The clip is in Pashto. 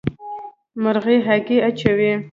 مرغۍ هګۍ اچوي.